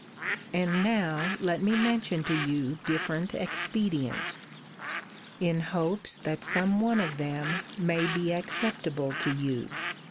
And now let me mention to you different expedients; in hopes that some one of them may be acceptable to you.